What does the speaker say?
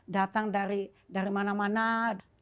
datang dari daerah pesisir